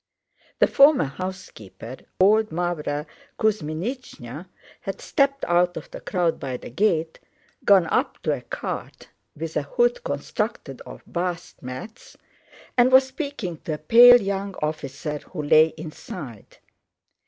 The former housekeeper, old Mávra Kuzmínichna, had stepped out of the crowd by the gate, gone up to a cart with a hood constructed of bast mats, and was speaking to a pale young officer who lay inside.